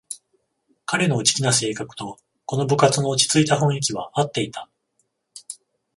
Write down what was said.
彼の内気な性格とこの部活の落ちついた雰囲気はあっていた